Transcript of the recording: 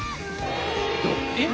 えっ？